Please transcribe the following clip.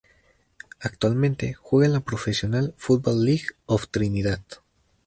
Actualmente juega en la Professional Football League of Trinidad.